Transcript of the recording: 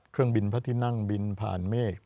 เครื่องบินพระที่นั่งบินผ่านเมฆ